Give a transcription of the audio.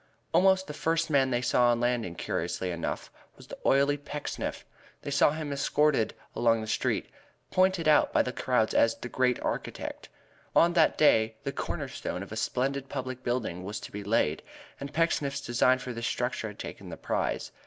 Almost the first man they saw on landing, curiously enough, was the oily Pecksniff. They saw him escorted along the street, pointed out by the crowds as "the great architect." On that day the corner stone of a splendid public building was to be laid, and Pecksniff's design for this structure had taken the prize.